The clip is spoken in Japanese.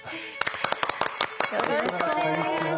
よろしくお願いします。